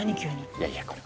いやいやこれ。